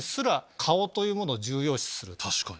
確かに。